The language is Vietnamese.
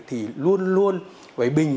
thì luôn luôn phải bình minh